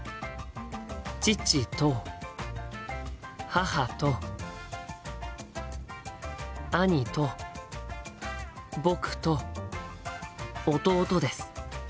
父と母と兄と僕と弟です。